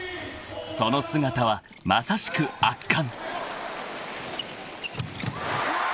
［その姿はまさしく圧巻］